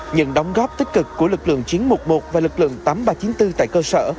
những đóng góp tích cực của lực lượng chín trăm một mươi một và lực lượng tám nghìn ba trăm chín mươi bốn tại cơ sở